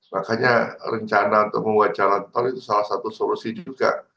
makanya rencana untuk membuat jalan tol itu salah satu solusi juga